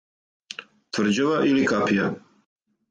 Тврђава или капија?